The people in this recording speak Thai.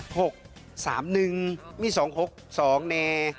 หกสามหนึ่งมีสองหกสองเน่